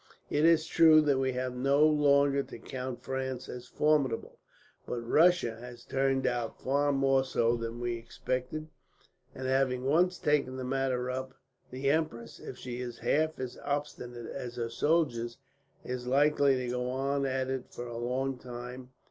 It is true that we have no longer to count France as formidable, but Russia has turned out far more so than we expected; and having once taken the matter up, the empress, if she is half as obstinate as her soldiers, is likely to go on at it for a long time.